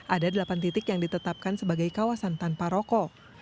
ada delapan titik yang ditetapkan sebagai kawasan tanpa rokok